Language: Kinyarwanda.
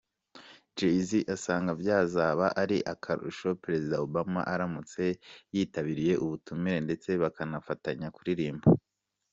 Jay-Z asanga byazaba ari akarusho Perezida Obama aramutse yitabiriye ubutumire ndetse bakanafatanya kuririmba.